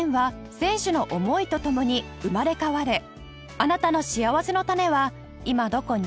あなたのしあわせのたねは今どこに？